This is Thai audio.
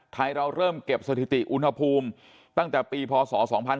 เราเริ่มเก็บสถิติอุณหภูมิตั้งแต่ปีพศ๒๕๕๙